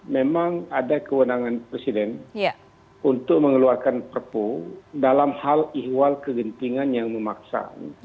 memang ada kewenangan presiden untuk mengeluarkan perpu dalam hal ihwal kegentingan yang memaksa